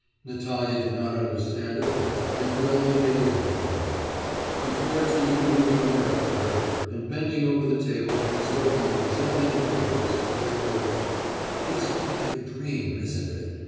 Natalya did not understand at all, and could only gaze after him. Before tea Rudin went up to her, and bending over the table as though he were examining the papers, whispered: 'It is all like a dream, isn't it?